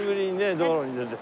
道路に出て。